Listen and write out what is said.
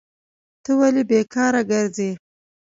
ته ولي بیکاره کرځي؟